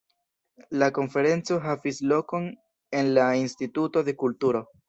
La konferenco havis lokon en la Instituto de Kulturo.